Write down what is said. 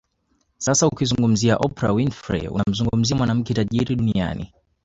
Sasa ukimzungumzia Oprah Winfrey unamzungumzia mwanamke tajiri Duniani